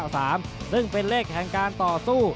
ซึ่งเป็นเลขแห่งการต่อสู้